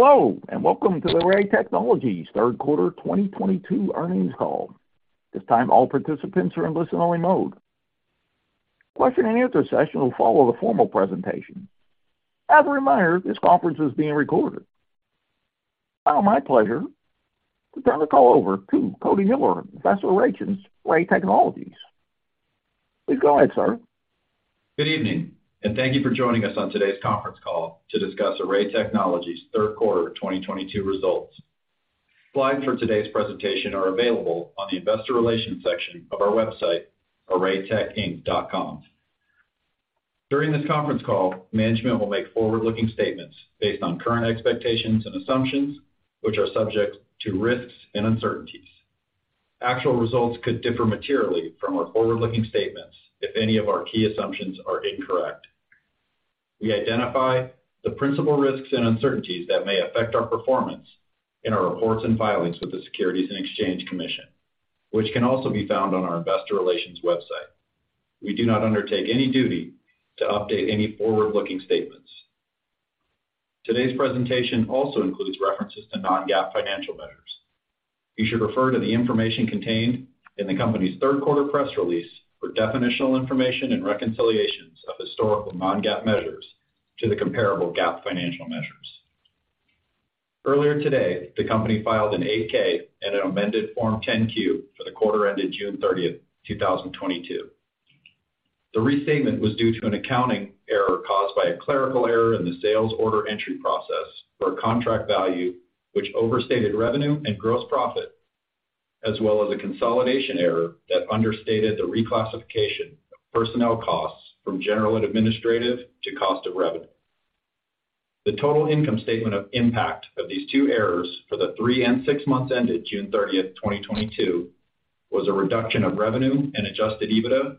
Hello, welcome to the Array Technologies third quarter 2022 earnings call. At this time, all participants are in listen-only mode. Question and answer session will follow the formal presentation. As a reminder, this conference is being recorded. Now, my pleasure to turn the call over to Cody Miller, Investor Relations, Array Technologies. Please go ahead, sir. Good evening, thank you for joining us on today's conference call to discuss Array Technologies' third quarter 2022 results. Slides for today's presentation are available on the Investor Relations section of our website, arraytechinc.com. During this conference call, management will make forward-looking statements based on current expectations and assumptions, which are subject to risks and uncertainties. Actual results could differ materially from our forward-looking statements if any of our key assumptions are incorrect. We identify the principal risks and uncertainties that may affect our performance in our reports and filings with the Securities and Exchange Commission, which can also be found on our Investor Relations website. We do not undertake any duty to update any forward-looking statements. Today's presentation also includes references to non-GAAP financial measures. You should refer to the information contained in the company's third quarter press release for definitional information and reconciliations of historical non-GAAP measures to the comparable GAAP financial measures. Earlier today, the company filed an 8-K and an amended Form 10-Q for the quarter ended June 30, 2022. The restatement was due to an accounting error caused by a clerical error in the sales order entry process for a contract value which overstated revenue and gross profit, as well as a consolidation error that understated the reclassification of personnel costs from general and administrative to cost of revenue. The total income statement of impact of these two errors for the three and six months ended June 30, 2022, was a reduction of revenue and adjusted EBITDA of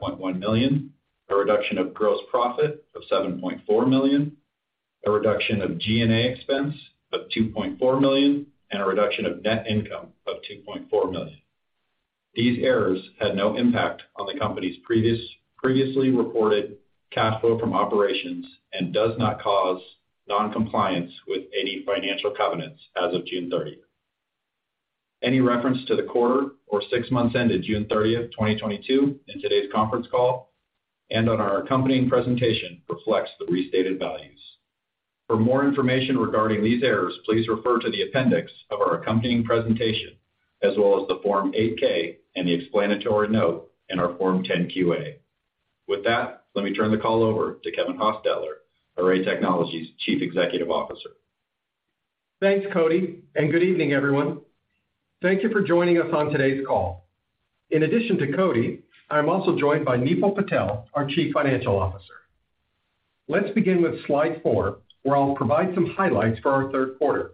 $5.1 million, a reduction of gross profit of $7.4 million, a reduction of G&A expense of $2.4 million, and a reduction of net income of $2.4 million. These errors had no impact on the company's previously reported cash flow from operations and does not cause non-compliance with any financial covenants as of June 30. Any reference to the quarter or six months ended June 30, 2022 in today's conference call and on our accompanying presentation reflects the restated values. For more information regarding these errors, please refer to the appendix of our accompanying presentation, as well as the Form 8-K and the explanatory note in our Form 10-QA. With that, let me turn the call over to Kevin Hostetler, Array Technologies Chief Executive Officer. Thanks, Cody, and good evening, everyone. Thank you for joining us on today's call. In addition to Cody, I'm also joined by Nipul Patel, our Chief Financial Officer. Let's begin with slide four, where I'll provide some highlights for our third quarter.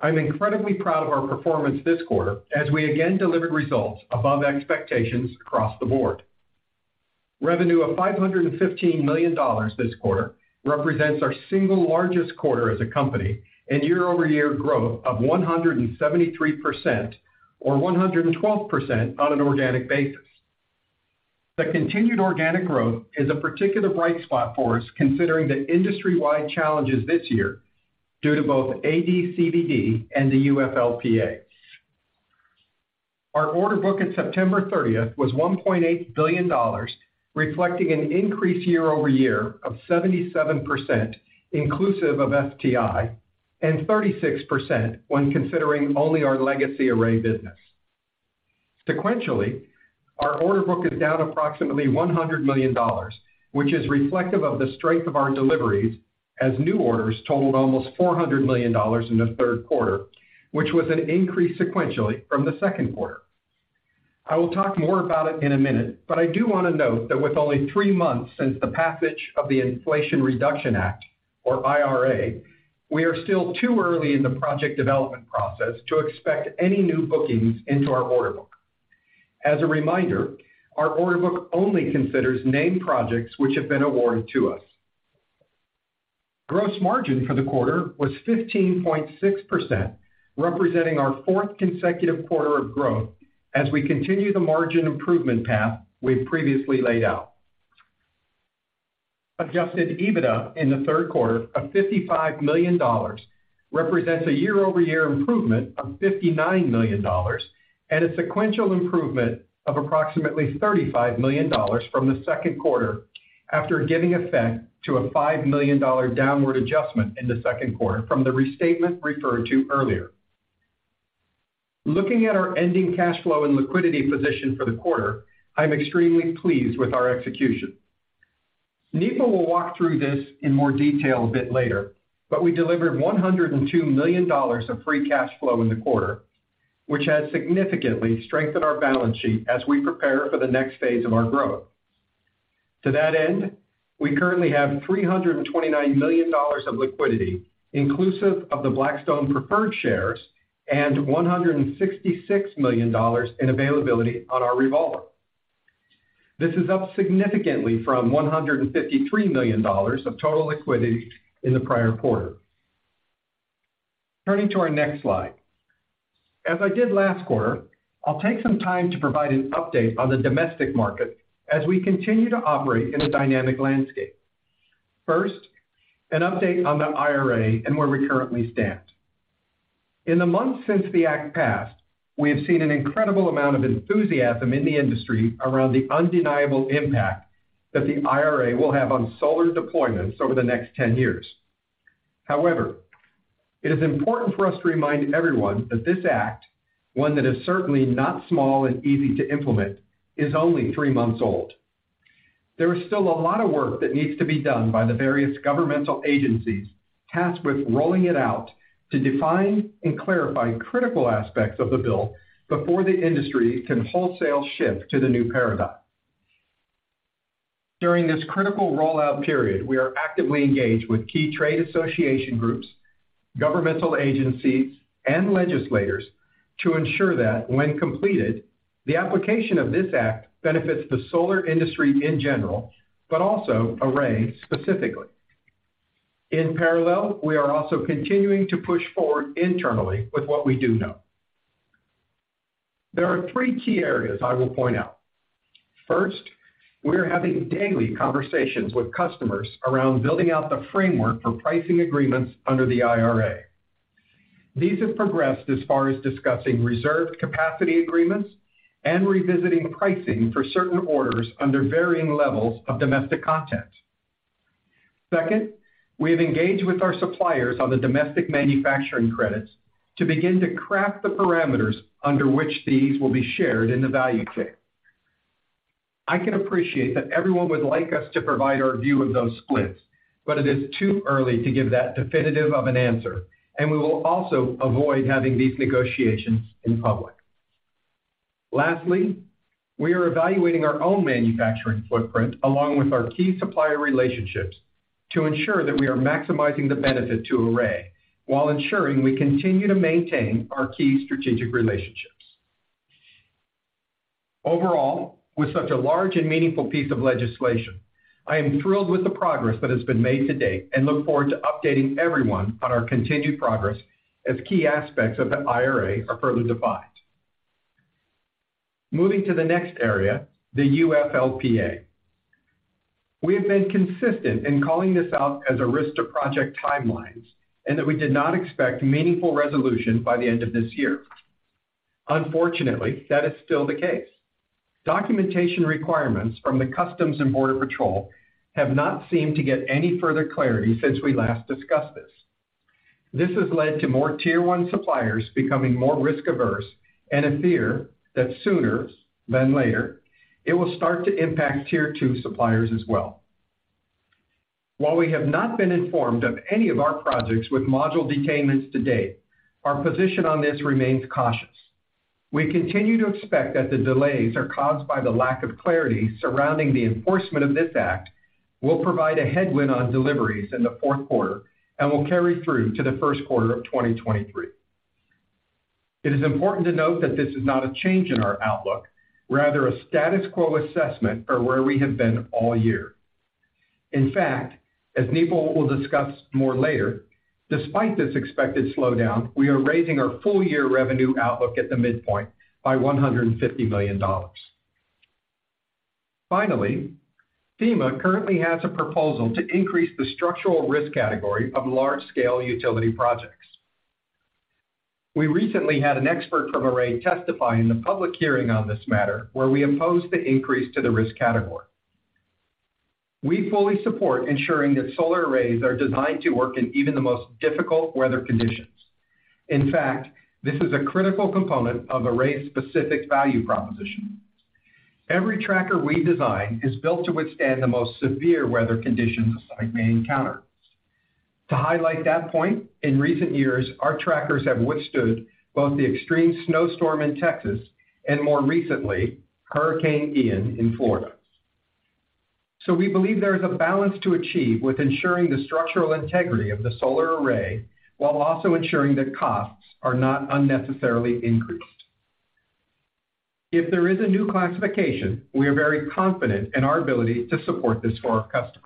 I'm incredibly proud of our performance this quarter, as we again delivered results above expectations across the board. Revenue of $515 million this quarter represents our single largest quarter as a company and year-over-year growth of 173%, or 112% on an organic basis. The continued organic growth is a particular bright spot for us, considering the industry-wide challenges this year due to both AD/CVD and the UFLPA. Our order book at September 30th was $1.8 billion, reflecting an increase year-over-year of 77%, inclusive of STI, and 36% when considering only our legacy Array business. Sequentially, our order book is down approximately $100 million, which is reflective of the strength of our deliveries as new orders totaled almost $400 million in the third quarter, which was an increase sequentially from the second quarter. I will talk more about it in a minute, but I do want to note that with only three months since the passage of the Inflation Reduction Act, or IRA, we are still too early in the project development process to expect any new bookings into our order book. As a reminder, our order book only considers named projects which have been awarded to us. Gross margin for the quarter was 15.6%, representing our fourth consecutive quarter of growth as we continue the margin improvement path we've previously laid out. Adjusted EBITDA in the third quarter of $55 million represents a year-over-year improvement of $59 million, and a sequential improvement of approximately $35 million from the second quarter after giving effect to a $5 million downward adjustment in the second quarter from the restatement referred to earlier. Looking at our ending cash flow and liquidity position for the quarter, I'm extremely pleased with our execution. Nipul will walk through this in more detail a bit later, but I delivered $102 million of free cash flow in the quarter, which has significantly strengthened our balance sheet as we prepare for the next phase of our growth. To that end, we currently have $329 million of liquidity, inclusive of the Blackstone preferred shares, and $166 million in availability on our revolver. This is up significantly from $153 million of total liquidity in the prior quarter. Turning to our next slide. As I did last quarter, I will take some time to provide an update on the domestic market as we continue to operate in a dynamic landscape. First, an update on the IRA and where we currently stand. In the months since the Act passed, we have seen an incredible amount of enthusiasm in the industry around the undeniable impact that the IRA will have on solar deployments over the next 10 years. However, it is important for us to remind everyone that this Act, one that is certainly not small and easy to implement, is only three months old. There is still a lot of work that needs to be done by the various governmental agencies tasked with rolling it out to define and clarify critical aspects of the bill before the industry can wholesale shift to the new paradigm. During this critical rollout period, we are actively engaged with key trade association groups, governmental agencies, and legislators to ensure that when completed, the application of this Act benefits the solar industry in general, but also Array specifically. In parallel, we are also continuing to push forward internally with what we do know. There are three key areas I will point out. First, we are having daily conversations with customers around building out the framework for pricing agreements under the IRA. These have progressed as far as discussing reserved capacity agreements and revisiting pricing for certain orders under varying levels of domestic content. Second, we have engaged with our suppliers on the domestic manufacturing credits to begin to craft the parameters under which these will be shared in the value chain. I can appreciate that everyone would like us to provide our view of those splits, but it is too early to give that definitive of an answer, and we will also avoid having these negotiations in public. Lastly, we are evaluating our own manufacturing footprint along with our key supplier relationships to ensure that we are maximizing the benefit to Array while ensuring we continue to maintain our key strategic relationships. Overall, with such a large and meaningful piece of legislation, I am thrilled with the progress that has been made to date and look forward to updating everyone on our continued progress as key aspects of the IRA are further defined. Moving to the next area, the UFLPA. We have been consistent in calling this out as a risk to project timelines, and that we did not expect meaningful resolution by the end of this year. Unfortunately, that is still the case. Documentation requirements from the Customs and Border Protection have not seemed to get any further clarity since we last discussed this. This has led to more tier 1 suppliers becoming more risk-averse and a fear that sooner than later, it will start to impact tier 2 suppliers as well. While we have not been informed of any of our projects with module detainments to date, our position on this remains cautious. We continue to expect that the delays are caused by the lack of clarity surrounding the enforcement of this Act will provide a headwind on deliveries in the fourth quarter and will carry through to the first quarter of 2023. It is important to note that this is not a change in our outlook, rather a status quo assessment of where we have been all year. In fact, as Nipul will discuss more later, despite this expected slowdown, we are raising our full-year revenue outlook at the midpoint by $150 million. Finally, FEMA currently has a proposal to increase the structural risk category of large-scale utility projects. We recently had an expert from Array testify in a public hearing on this matter, where we opposed the increase to the risk category. We fully support ensuring that solar arrays are designed to work in even the most difficult weather conditions. In fact, this is a critical component of Array's specific value proposition. Every tracker we design is built to withstand the most severe weather conditions a site may encounter. To highlight that point, in recent years, our trackers have withstood both the extreme snowstorm in Texas and more recently, Hurricane Ian in Florida. So we believe there is a balance to achieve with ensuring the structural integrity of the solar array, while also ensuring that costs are not unnecessarily increased. If there is a new classification, we are very confident in our ability to support this for our customers.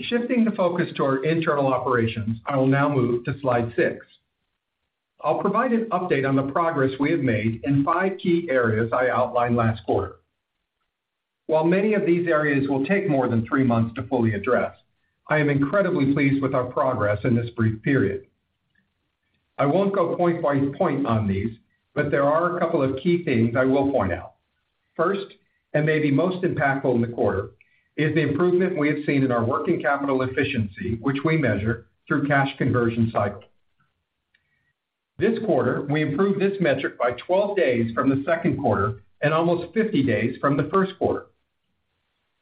Shifting the focus to our internal operations, I will now move to slide six. I will provide an update on the progress we have made in five key areas I outlined last quarter. While many of these areas will take more than three months to fully address, I am incredibly pleased with our progress in this brief period. I will not go point by point on these, but there are a couple of key things I will point out. First, and maybe most impactful in the quarter, is the improvement we have seen in our working capital efficiency, which we measure through cash conversion cycle. This quarter, we improved this metric by 12 days from the second quarter and almost 50 days from the first quarter.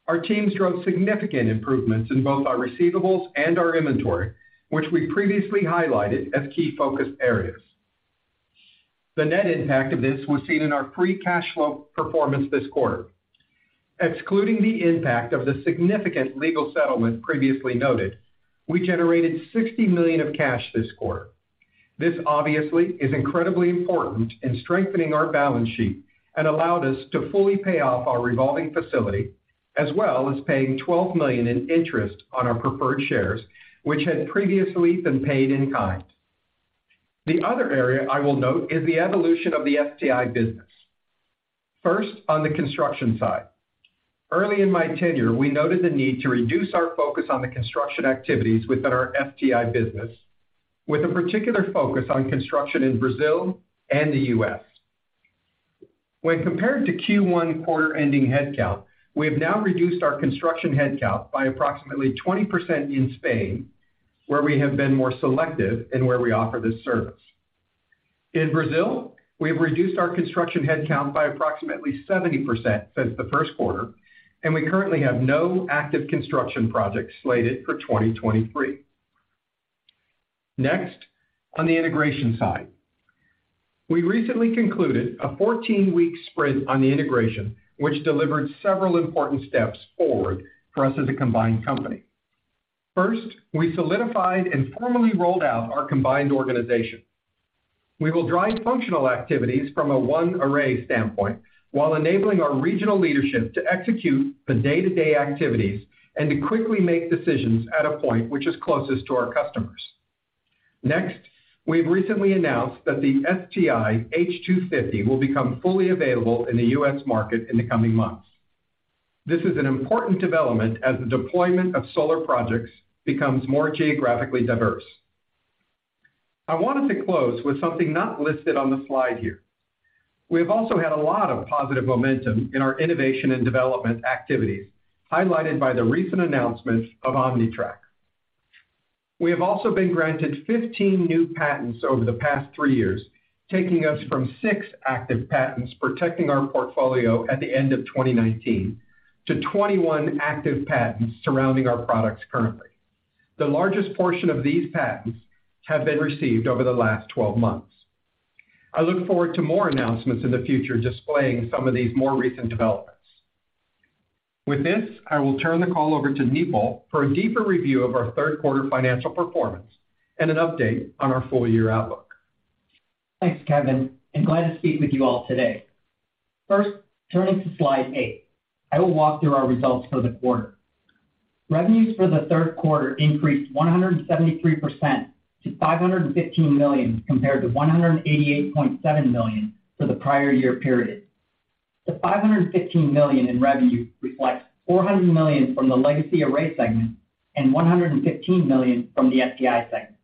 Our teams drove significant improvements in both our receivables and our inventory, which we previously highlighted as key focus areas. The net impact of this was seen in our free cash flow performance this quarter. Excluding the impact of the significant legal settlement previously noted, we generated $60 million of cash this quarter. This obviously is incredibly important in strengthening our balance sheet and allowed us to fully pay off our revolving facility as well as paying $12 million in interest on our preferred shares, which had previously been paid in kind. The other area I will note is the evolution of the STI business. First, on the construction side. Early in my tenure, we noted the need to reduce our focus on the construction activities within our STI business, with a particular focus on construction in Brazil and the U.S. When compared to Q1 quarter-ending headcount, we have now reduced our construction headcount by approximately 20% in Spain, where we have been more selective in where we offer this service. In Brazil, we have reduced our construction headcount by approximately 70% since the first quarter, and we currently have no active construction projects slated for 2023. Next, on the integration side. We recently concluded a 14-week sprint on the integration, which delivered several important steps forward for us as a combined company. First, we solidified and formally rolled out our combined organization. We will drive functional activities from a one Array standpoint, while enabling our regional leadership to execute the day-to-day activities and to quickly make decisions at a point which is closest to our customers. Next, we've recently announced that the STI H250 will become fully available in the U.S. market in the coming months. This is an important development as the deployment of solar projects becomes more geographically diverse. I wanted to close with something not listed on the slide here. We have also had a lot of positive momentum in our innovation and development activities, highlighted by the recent announcement of OmniTrack. We have also been granted 15 new patents over the past three years, taking us from six active patents protecting our portfolio at the end of 2019 to 21 active patents surrounding our products currently. The largest portion of these patents have been received over the last 12 months. I look forward to more announcements in the future displaying some of these more recent developments. With this, I will turn the call over to Nipul for a deeper review of our third quarter financial performance and an update on our full year outlook. Thanks, Kevin. Glad to speak with you all today. First, turning to slide eight, I will walk through our results for the quarter. Revenues for the third quarter increased 173% to $515 million compared to $188.7 million for the prior year period. The $515 million in revenue reflects $400 million from the legacy Array segment and $115 million from the STI segment.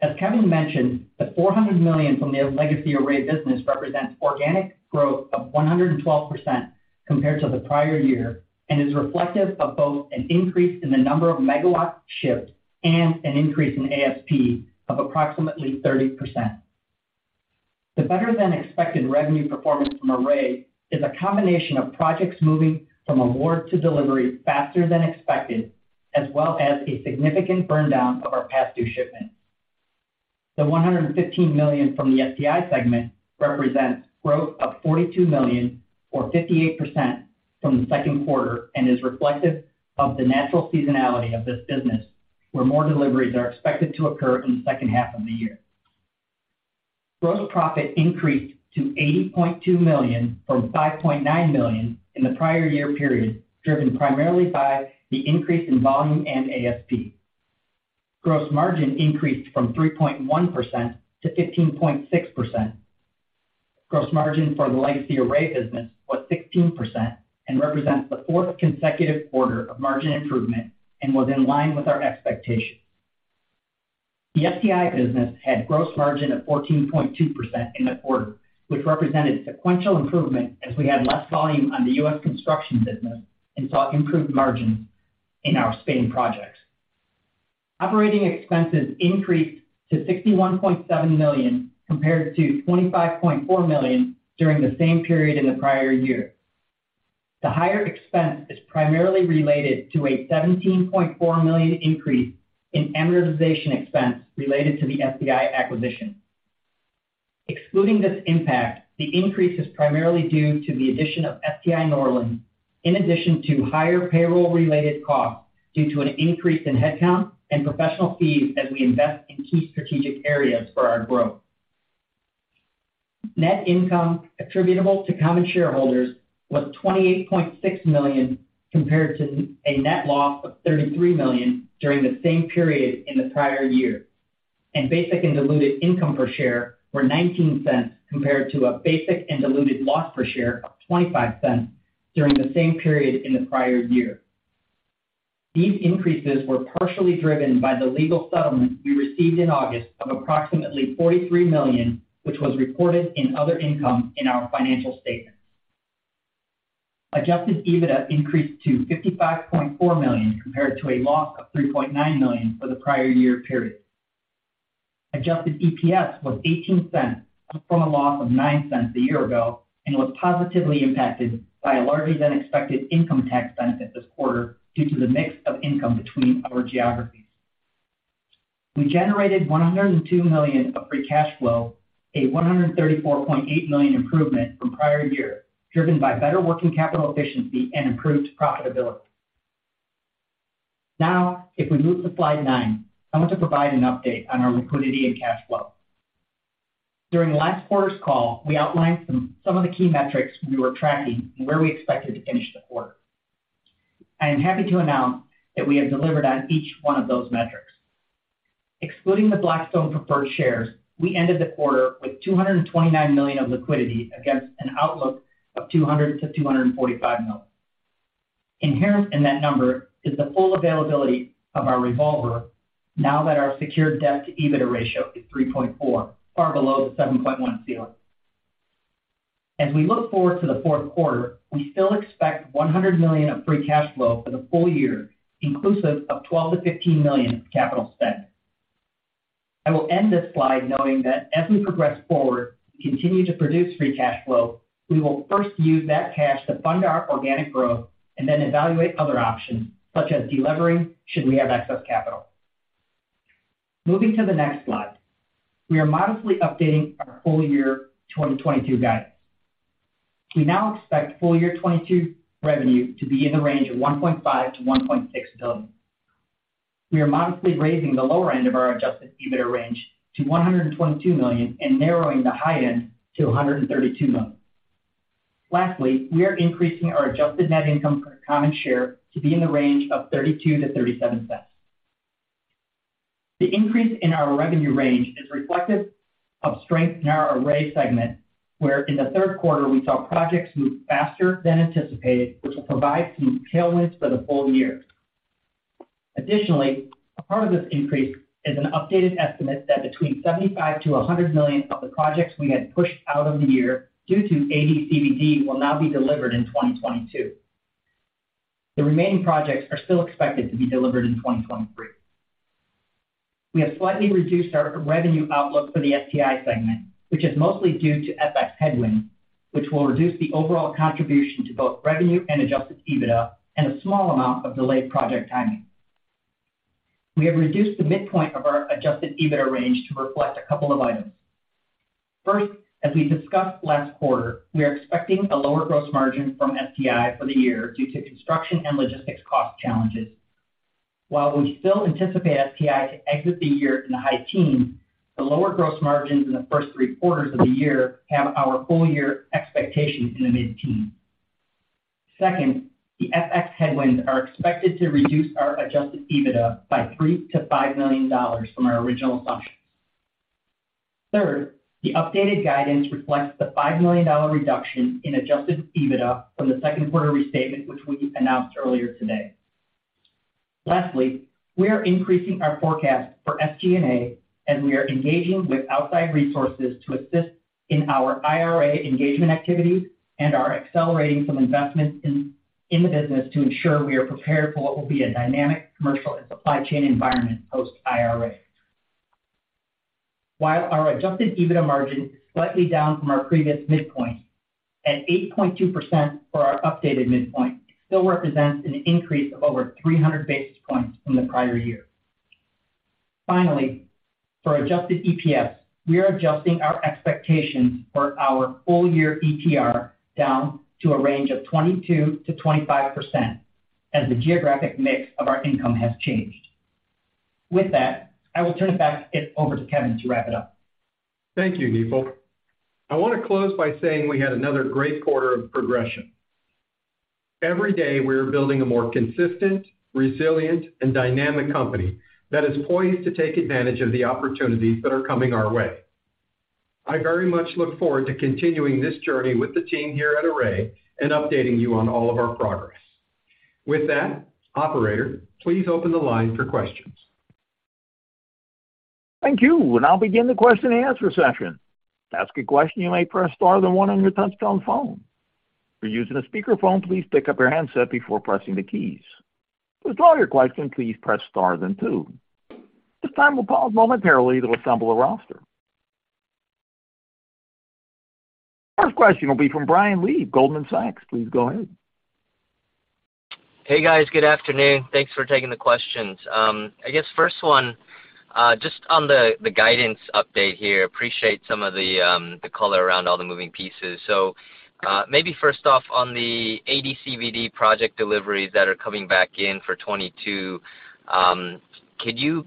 As Kevin mentioned, the $400 million from the legacy Array business represents organic growth of 112% compared to the prior year, and is reflective of both an increase in the number of megawatts shipped and an increase in ASP of approximately 30%. The better-than-expected revenue performance from Array is a combination of projects moving from award to delivery faster than expected, as well as a significant burn down of our past due shipments. The $115 million from the STI segment represents growth of $42 million, or 58%, from the second quarter and is reflective of the natural seasonality of this business, where more deliveries are expected to occur in the second half of the year. Gross profit increased to $80.2 million from $5.9 million in the prior year period, driven primarily by the increase in volume and ASP. Gross margin increased from 3.1% to 15.6%. Gross margin for the legacy Array business was 16% and represents the fourth consecutive quarter of margin improvement and was in line with our expectations. The STI business had gross margin of 14.2% in the quarter, which represented sequential improvement as we had less volume on the U.S. construction business and saw improved margins in our Spain projects. Operating expenses increased to $61.7 million compared to $25.4 million during the same period in the prior year. The higher expense is primarily related to a $17.4 million increase in amortization expense related to the STI acquisition. Excluding this impact, the increase is primarily due to the addition of STI Norland, in addition to higher payroll-related costs due to an increase in headcount and professional fees as we invest in key strategic areas for our growth. Net income attributable to common shareholders was $28.6 million compared to a net loss of $33 million during the same period in the prior year, and basic and diluted income per share were $0.19 compared to a basic and diluted loss per share of $0.25 during the same period in the prior year. These increases were partially driven by the legal settlement we received in August of approximately $43 million, which was reported in other income in our financial statements. Adjusted EBITDA increased to $55.4 million compared to a loss of $3.9 million for the prior year period. Adjusted EPS was $0.18 from a loss of $0.09 a year ago and was positively impacted by a larger-than-expected income tax benefit this quarter due to the mix of income between our geographies. We generated $102 million of free cash flow, a $134.8 million improvement from prior year, driven by better working capital efficiency and improved profitability. If we move to slide nine, I want to provide an update on our liquidity and cash flow. During last quarter's call, we outlined some of the key metrics we were tracking and where we expected to finish the quarter. I am happy to announce that we have delivered on each one of those metrics. Excluding the Blackstone preferred shares, we ended the quarter with $229 million of liquidity against an outlook of $200 million to $245 million. Inherent in that number is the full availability of our revolver now that our secured debt to EBITDA ratio is 3.4, far below the 7.1 ceiling. As we look forward to the fourth quarter, we still expect $100 million of free cash flow for the full year, inclusive of $12 million-$15 million capital spend. I will end this slide knowing that as we progress forward and continue to produce free cash flow, we will first use that cash to fund our organic growth and then evaluate other options, such as delevering, should we have excess capital. Moving to the next slide. We are modestly updating our full year 2022 guidance. We now expect full year 2022 revenue to be in the range of $1.5 billion-$1.6 billion. We are modestly raising the lower end of our adjusted EBITDA range to $122 million and narrowing the high end to $132 million. We are increasing our adjusted net income per common share to be in the range of $0.32-$0.37. The increase in our revenue range is reflective of strength in our Array segment, where in the third quarter, we saw projects move faster than anticipated, which will provide some tailwinds for the full year. A part of this increase is an updated estimate that between $75 million to $100 million of the projects we had pushed out of the year due to AD/CVD will now be delivered in 2022. The remaining projects are still expected to be delivered in 2023. We have slightly reduced our revenue outlook for the STI segment, which is mostly due to FX headwind, which will reduce the overall contribution to both revenue and adjusted EBITDA and a small amount of delayed project timing. We have reduced the midpoint of our adjusted EBITDA range to reflect a couple of items. First, as we discussed last quarter, we are expecting a lower gross margin from STI for the year due to construction and logistics cost challenges. While we still anticipate STI to exit the year in the high teens, the lower gross margins in the first three quarters of the year have our full year expectations in the mid-teens. Second, the FX headwinds are expected to reduce our adjusted EBITDA by $3 million to $5 million from our original assumptions. The updated guidance reflects the $5 million reduction in adjusted EBITDA from the second quarter restatement, which we announced earlier today. Lastly, we are increasing our forecast for SG&A as we are engaging with outside resources to assist in our IRA engagement activities and are accelerating some investments in the business to ensure we are prepared for what will be a dynamic commercial and supply chain environment post IRA. While our adjusted EBITDA margin is slightly down from our previous midpoint, at 8.2% for our updated midpoint, it still represents an increase of over 300 basis points from the prior year. For adjusted EPS, we are adjusting our expectations for our full year ETR down to a range of 22%-25% as the geographic mix of our income has changed. With that, I will turn it back over to Kevin to wrap it up. Thank you, Nipul. I want to close by saying we had another great quarter of progression. Every day, we are building a more consistent, resilient, and dynamic company that is poised to take advantage of the opportunities that are coming our way. I very much look forward to continuing this journey with the team here at Array and updating you on all of our progress. Operator, please open the line for questions. Thank you. We will now begin the question and answer session. To ask a question, you may press star then one on your touchtone phone. If you are using a speakerphone, please pick up your handset before pressing the keys. To withdraw your question, please press star then two. At this time, we will pause momentarily to assemble a roster. First question will be from Brian Lee, Goldman Sachs. Please go ahead. Hey, guys. Good afternoon. Thanks for taking the questions. I guess, first one, just on the guidance update here. Appreciate some of the color around all the moving pieces. Maybe first off on the AD/CVD project deliveries that are coming back in for 2022, could you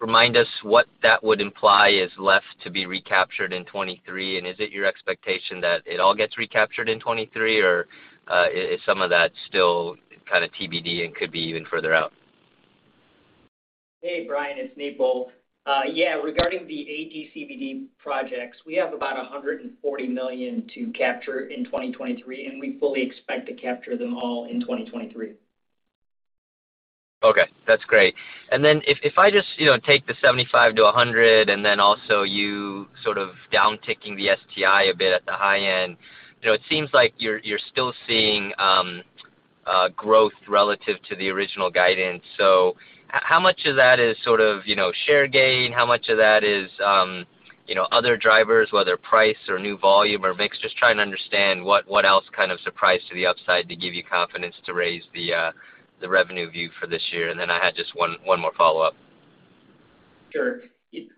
remind us what that would imply is left to be recaptured in 2023? Is it your expectation that it all gets recaptured in 2023, or is some of that still kind of TBD and could be even further out? Hey, Brian, it's Nipul. Yeah. Regarding the AD/CVD projects, we have about $140 million to capture in 2023. We fully expect to capture them all in 2023. Okay, that's great. If I just take the $75 to $100 and then also you sort of downticking the STI a bit at the high end, it seems like you're still seeing growth relative to the original guidance. How much of that is sort of share gain? How much of that is other drivers, whether price or new volume or mix? Just trying to understand what else kind of surprised to the upside to give you confidence to raise the revenue view for this year. I had just one more follow-up. Sure.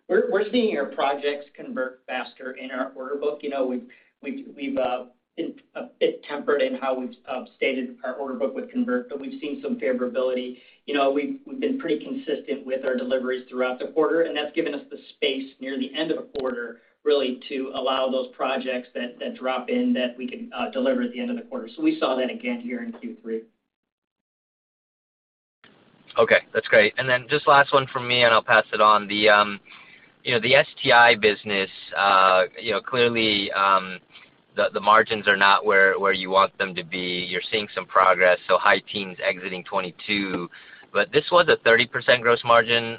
We're seeing our projects convert faster in our order book. We've been a bit tempered in how we've stated our order book would convert, but we've seen some favorability. We've been pretty consistent with our deliveries throughout the quarter. That's given us the space near the end of a quarter, really to allow those projects that drop in, that we can deliver at the end of the quarter. We saw that again here in Q3. Okay, that's great. Just last one from me, I'll pass it on. The STI business, clearly, the margins are not where you want them to be. You're seeing some progress, high teens exiting 2022. This was a 30% gross margin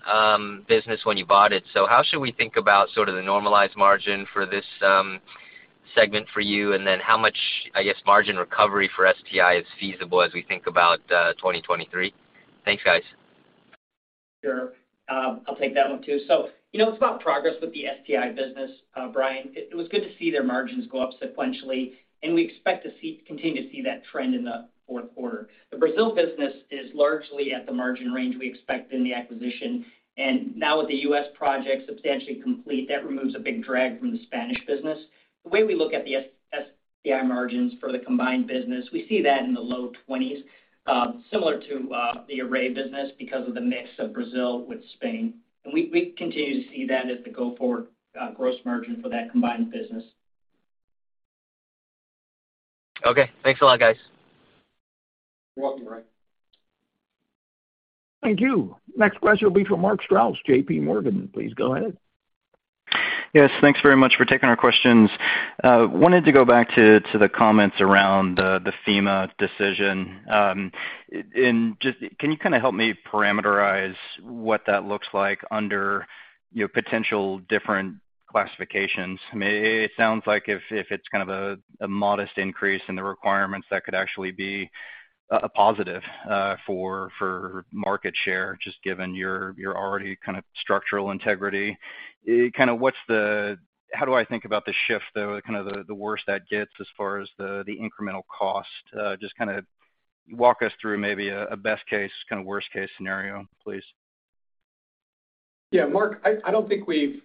business when you bought it. How should we think about sort of the normalized margin for this segment for you, how much, I guess, margin recovery for STI is feasible as we think about 2023? Thanks, guys. Sure. I'll take that one too. It's about progress with the STI business, Brian. It was good to see their margins go up sequentially, and we expect to continue to see that trend in the fourth quarter. The Brazil business is largely at the margin range we expect in the acquisition. Now with the U.S. project substantially complete, that removes a big drag from the Spanish business. The way we look at the STI margins for the combined business, we see that in the low 20s, similar to the Array business because of the mix of Brazil with Spain. We continue to see that as the go-forward gross margin for that combined business. Okay. Thanks a lot, guys. You're welcome, Brian. Thank you. Next question will be from Mark Strouse, JPMorgan. Please go ahead. Yes, thanks very much for taking our questions. Wanted to go back to the comments around the FEMA decision. Can you kind of help me parameterize what that looks like under potential different classifications? I mean, it sounds like if it's kind of a modest increase in the requirements, that could actually be a positive for market share, just given your already kind of structural integrity. How do I think about the shift, though, kind of the worst that gets as far as the incremental cost? Just kind of walk us through maybe a best case, kind of worst case scenario, please. Mark, I don't think we're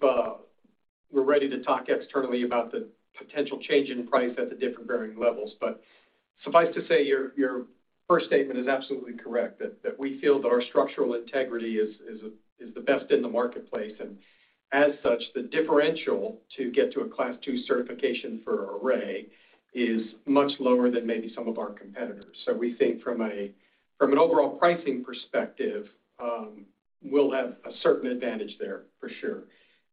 ready to talk externally about the potential change in price at the different varying levels. Suffice to say, your first statement is absolutely correct, that we feel that our structural integrity is the best in the marketplace. As such, the differential to get to a Class II certification for Array is much lower than maybe some of our competitors. We think from an overall pricing perspective, we'll have a certain advantage there for sure.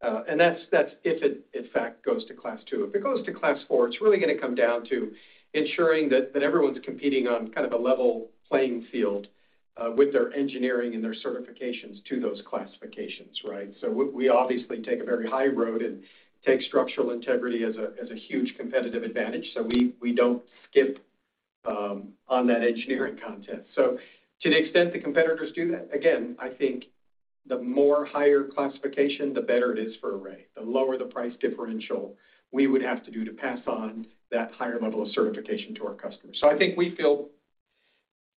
That's if it in fact goes to Class II. If it goes to Class IV, it's really going to come down to ensuring that everyone's competing on kind of a level playing field with their engineering and their certifications to those classifications, right? We obviously take a very high road and take structural integrity as a huge competitive advantage, so we don't skip on that engineering content. To the extent that competitors do that, again, I think the more higher classification, the better it is for Array. The lower the price differential we would have to do to pass on that higher level of certification to our customers. I think we feel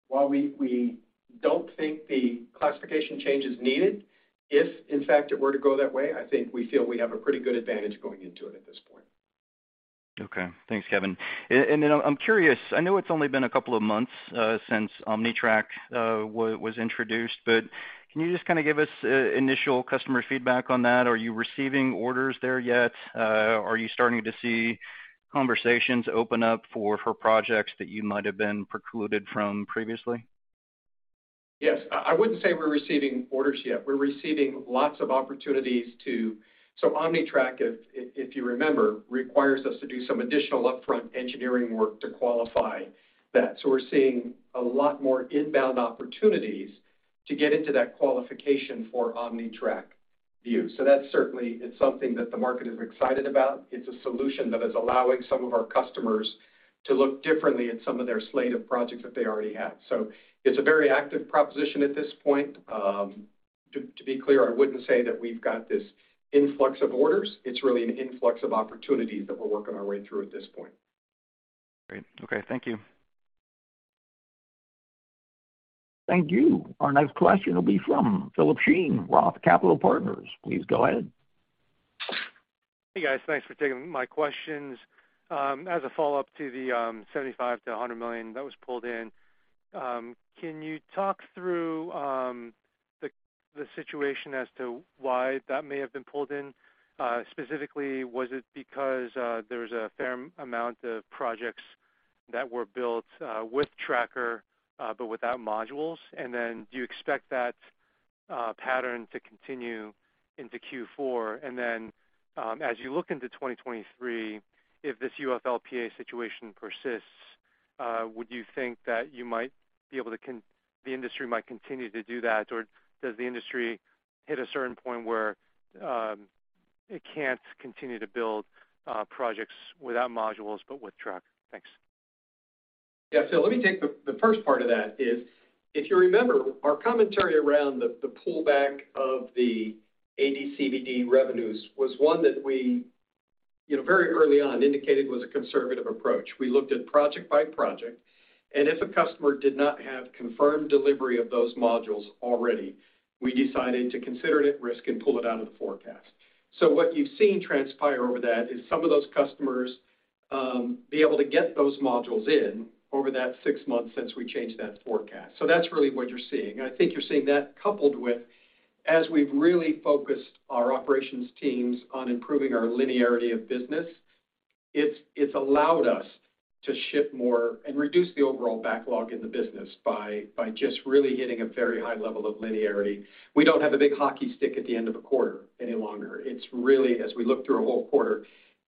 while we don't think the classification change is needed, if in fact it were to go that way, I think we feel we have a pretty good advantage going into it at this point. Okay. Thanks, Kevin. I'm curious, I know it's only been a couple of months since OmniTrack was introduced, but can you just kind of give us initial customer feedback on that? Are you receiving orders there yet? Are you starting to see conversations open up for projects that you might have been precluded from previously? Yes. I wouldn't say we're receiving orders yet. We're receiving lots of opportunities to OmniTrack, if you remember, requires us to do some additional upfront engineering work to qualify that. We're seeing a lot more inbound opportunities to get into that qualification for OmniTrack view. That certainly is something that the market is excited about. It's a solution that is allowing some of our customers to look differently at some of their slate of projects that they already have. It's a very active proposition at this point. To be clear, I wouldn't say that we've got this influx of orders. It's really an influx of opportunities that we're working our way through at this point. Great. Okay. Thank you. Thank you. Our next question will be from Philip Shen, Roth Capital Partners. Please go ahead. Hey, guys. Thanks for taking my questions. As a follow-up to the $75 million to $100 million that was pulled in, can you talk through the situation as to why that may have been pulled in? Specifically, was it because there was a fair amount of projects that were built with tracker but without modules? Do you expect that pattern to continue into Q4? As you look into 2023, if this UFLPA situation persists, would you think that the industry might continue to do that, or does the industry hit a certain point where it can't continue to build projects without modules but with tracker? Thanks. Yeah, Phil, let me take the first part of that is, if you remember our commentary around the pullback of the AD/CVD revenues was one that we very early on indicated was a conservative approach. We looked at project by project, and if a customer did not have confirmed delivery of those modules already, we decided to consider it at risk and pull it out of the forecast. What you've seen transpire over that is some of those customers be able to get those modules in over that six months since we changed that forecast. That's really what you're seeing. I think you're seeing that coupled with, as we've really focused our operations teams on improving our linearity of business, it's allowed us to ship more and reduce the overall backlog in the business by just really hitting a very high level of linearity. We don't have a big hockey stick at the end of a quarter any longer. It's really, as we look through a whole quarter,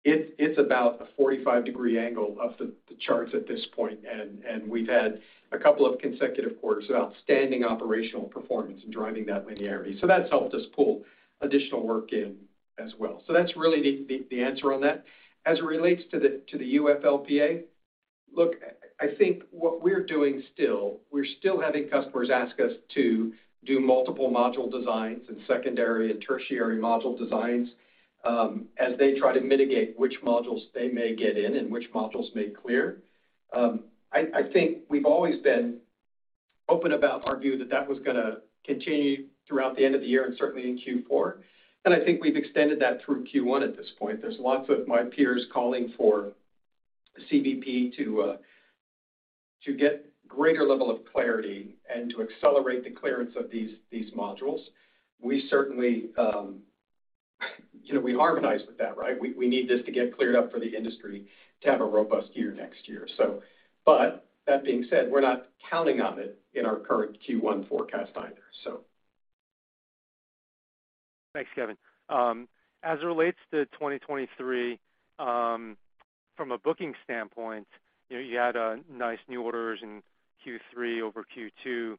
it's about a 45-degree angle of the charts at this point, and we've had a couple of consecutive quarters of outstanding operational performance in driving that linearity. That's helped us pull additional work in as well. That's really the answer on that. As it relates to the UFLPA, look, I think what we're doing still, we're still having customers ask us to do multiple module designs and secondary and tertiary module designs, as they try to mitigate which modules they may get in and which modules may clear. I think we've always been open about our view that that was going to continue throughout the end of the year and certainly in Q4. I think we've extended that through Q1 at this point. There's lots of my peers calling for CBP to get greater level of clarity and to accelerate the clearance of these modules. We harmonize with that, right? We need this to get cleared up for the industry to have a robust year next year. That being said, we're not counting on it in our current Q1 forecast either, so. Thanks, Kevin. As it relates to 2023, from a booking standpoint, you had nice new orders in Q3 over Q2.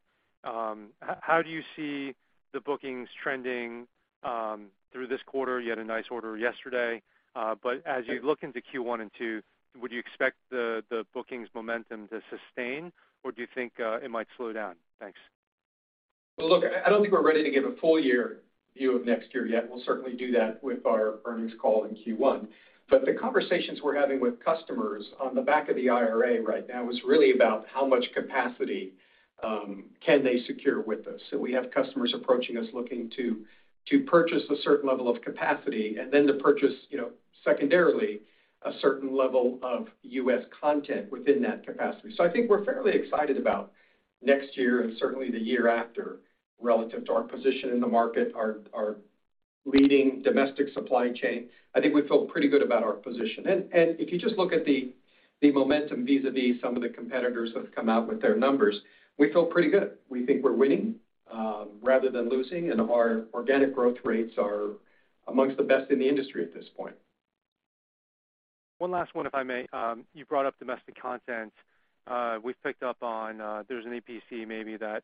How do you see the bookings trending through this quarter? You had a nice order yesterday. As you look into Q1 and Q2, would you expect the bookings momentum to sustain, or do you think it might slow down? Thanks. Well, look, I don't think we're ready to give a full year view of next year yet. We'll certainly do that with our earnings call in Q1. The conversations we're having with customers on the back of the IRA right now is really about how much capacity can they secure with us. We have customers approaching us looking to purchase a certain level of capacity and then to purchase secondarily a certain level of U.S. content within that capacity. I think we're fairly excited about next year and certainly the year after, relative to our position in the market, our leading domestic supply chain. I think we feel pretty good about our position. If you just look at the momentum vis-a-vis some of the competitors that have come out with their numbers, we feel pretty good. We think we're winning rather than losing, and our organic growth rates are amongst the best in the industry at this point. One last one, if I may. You brought up domestic content. We've picked up on there's an EPC maybe that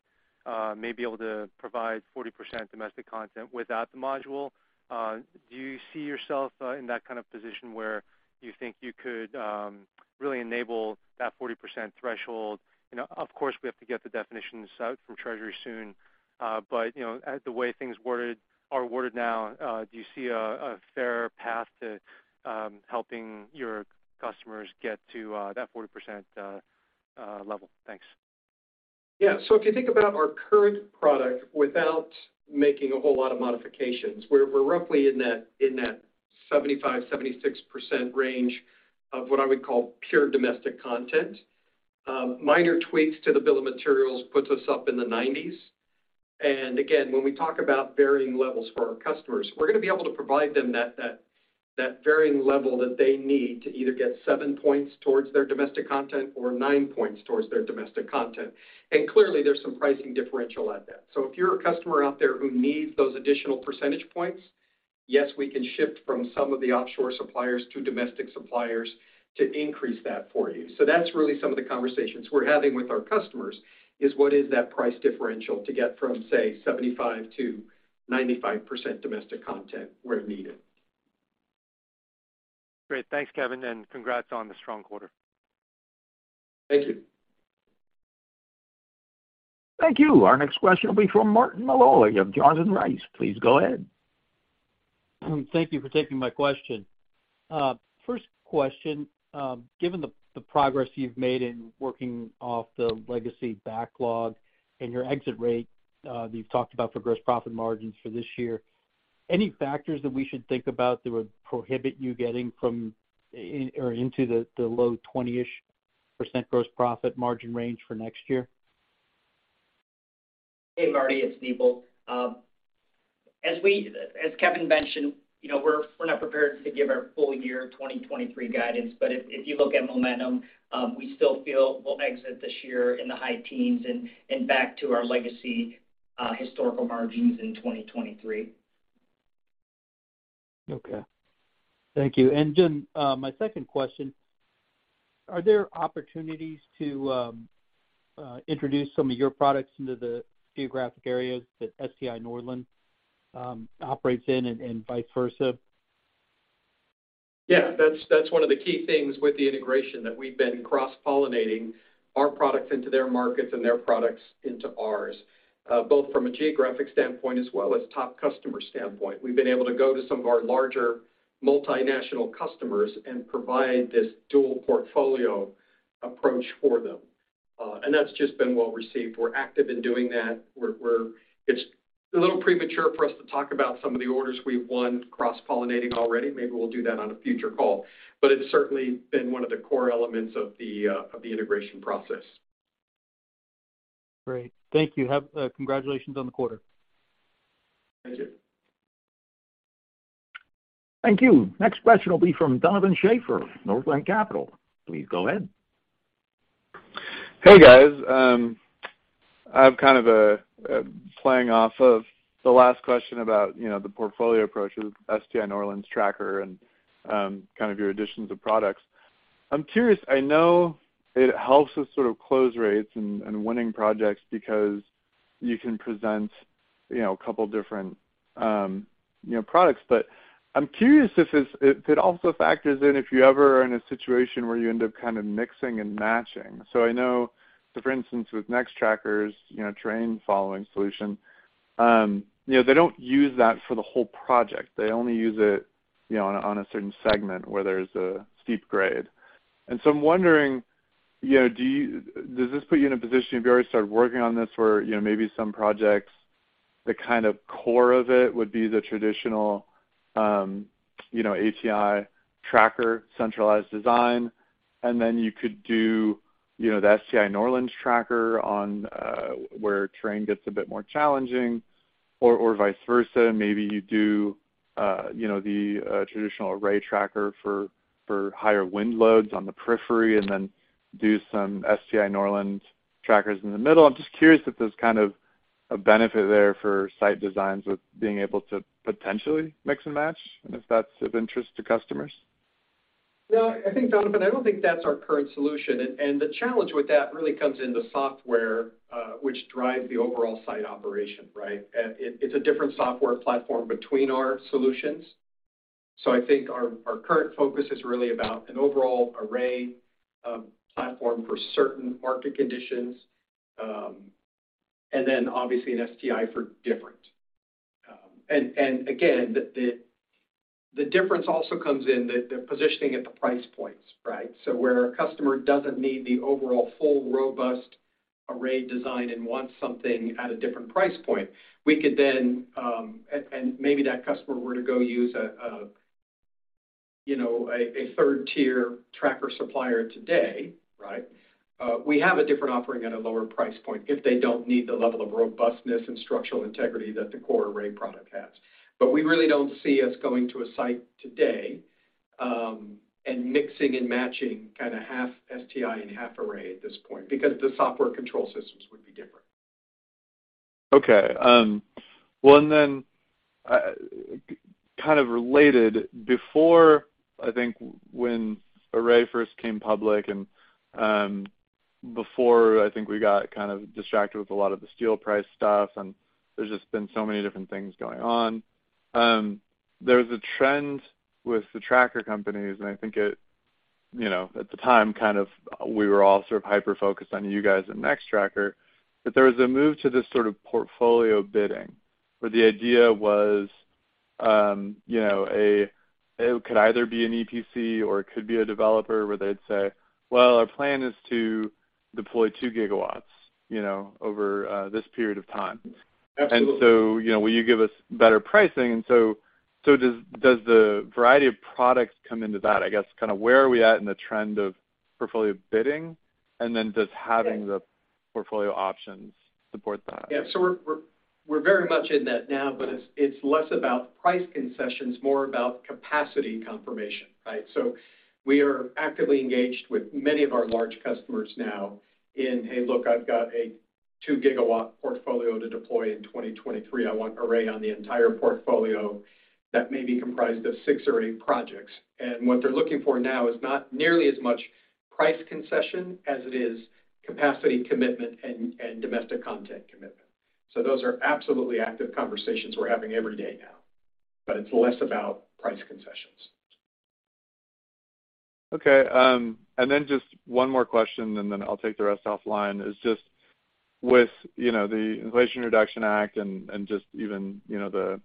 may be able to provide 40% domestic content without the module. Do you see yourself in that kind of position where you think you could really enable that 40% threshold? Of course, we have to get the definitions out from Treasury soon. The way things are worded now, do you see a fair path to helping your customers get to that 40% level? Thanks. Yeah. If you think about our current product without making a whole lot of modifications, we're roughly in that 75%-76% range of what I would call pure domestic content. Minor tweaks to the bill of materials puts us up in the 90s. Again, when we talk about varying levels for our customers, we're going to be able to provide them that varying level that they need to either get seven points towards their domestic content or nine points towards their domestic content. Clearly, there's some pricing differential at that. If you're a customer out there who needs those additional percentage points, yes, we can shift from some of the offshore suppliers to domestic suppliers to increase that for you. That's really some of the conversations we're having with our customers, is what is that price differential to get from, say, 75%-95% domestic content where needed. Great. Thanks, Kevin, and congrats on the strong quarter. Thank you. Thank you. Our next question will be from Martin Malloy of Johnson Rice. Please go ahead. Thank you for taking my question. First question, given the progress you've made in working off the legacy backlog and your exit rate that you've talked about for gross profit margins for this year, any factors that we should think about that would prohibit you getting into the low 20-ish % gross profit margin range for next year? Hey, Marty, it's Nipul. As Kevin mentioned, we're not prepared to give our full year 2023 guidance, but if you look at momentum, we still feel we'll exit this year in the high teens and back to our legacy historical margins in 2023. Okay. Thank you. My second question, are there opportunities to introduce some of your products into the geographic areas that STI Norland operates in and vice versa? Yeah, that's one of the key things with the integration that we've been cross-pollinating our products into their markets and their products into ours, both from a geographic standpoint as well as top customer standpoint. That's just been well received. We're active in doing that. It's a little premature for us to talk about some of the orders we've won cross-pollinating already. Maybe we'll do that on a future call. It's certainly been one of the core elements of the integration process. Great. Thank you. Congratulations on the quarter. Thank you. Thank you. Next question will be from Donovan Schafer, Northland Capital. Please go ahead. Hey, guys. I've kind of playing off of the last question about the portfolio approach of STI Norland tracker and kind of your additions of products. I'm curious, I know it helps with sort of close rates and winning projects because you can present a couple different products, but I'm curious if it also factors in if you ever are in a situation where you end up kind of mixing and matching. I know, for instance, with Nextracker's terrain following solution, they don't use that for the whole project. They only use it on a certain segment where there's a steep grade. I'm wondering, does this put you in a position, have you already started working on this where maybe some projects, the kind of core of it would be the traditional ATI tracker centralized design, and then you could do the STI Norland tracker on where terrain gets a bit more challenging, or vice versa. Maybe you do the traditional Array tracker for higher wind loads on the periphery and then do some STI Norland trackers in the middle. I'm just curious if there's kind of a benefit there for site designs with being able to potentially mix and match, and if that's of interest to customers. No, I think, Donovan, I don't think that's our current solution. The challenge with that really comes in the software, which drives the overall site operation, right? It's a different software platform between our solutions. I think our current focus is really about an overall Array platform for certain market conditions, and then obviously an STI for different. Again, the difference also comes in the positioning at the price points, right? Where a customer doesn't need the overall full, robust Array design and wants something at a different price point, we could then, and maybe that customer were to go use a third-tier tracker supplier today, right? We have a different offering at a lower price point if they don't need the level of robustness and structural integrity that the core Array product has. We really don't see us going to a site today and mixing and matching kind of half STI and half Array at this point because the software control systems would be different. Okay. Well, kind of related, before, I think, when Array first came public and before I think we got kind of distracted with a lot of the steel price stuff, and there's just been so many different things going on. There was a trend with the tracker companies, and I think it, at the time, kind of we were all sort of hyper-focused on you guys and Nextracker. There was a move to this sort of portfolio bidding, where the idea was it could either be an EPC or it could be a developer where they'd say, "Well, our plan is to deploy two gigawatts over this period of time. Absolutely. Will you give us better pricing?" Does the variety of products come into that? I guess kind of where are we at in the trend of portfolio bidding, does having the portfolio options support that? Yeah. We're very much in that now, but it's less about price concessions, more about capacity confirmation, right? We are actively engaged with many of our large customers now in, "Hey, look, I've got a two-gigawatt portfolio to deploy in 2023. I want Array on the entire portfolio that may be comprised of six or eight projects." What they're looking for now is not nearly as much price concession as it is capacity commitment and domestic content commitment. Those are absolutely active conversations we're having every day now, but it's less about price concessions. Okay. Just one more question, I'll take the rest offline, is just with the Inflation Reduction Act and just even the